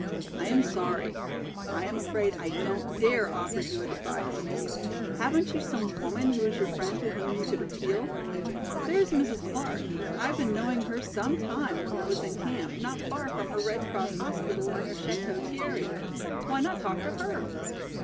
"I am sorry, I am afraid I don't dare offer you advice. Haven't you some woman who is your friend to whom you could appeal? There is Mrs. Clark; I have been knowing her some time when I was in camp not far from her Red Cross hospital near Château Thierry. Why not talk to her?